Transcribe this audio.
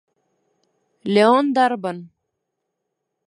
Леон дарбан?